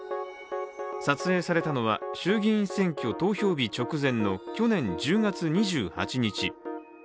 撮影されたのは衆議院選挙投票日直前の去年１０月２８日。